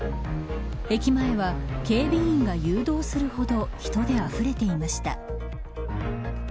駅前は警備員が誘導するほど人であふれていました。